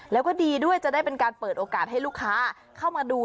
แล้วก็ดีด้วยจะได้เป็นการเปิดโอกาสให้ลูกค้าเข้ามาดู